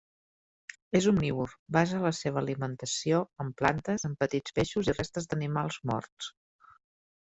És omnívor: basa la seva alimentació en plantes, en petits peixos i restes d’animals morts.